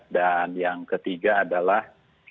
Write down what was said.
dan yang ketiga adalah